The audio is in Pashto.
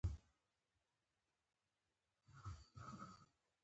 چاي په نغرې کيده چې جوش شي ميلمانه راغلي دي.